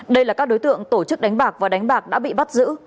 đây là các đối tượng tổ chức đánh bạc và đánh bạc đã bị bắt giữ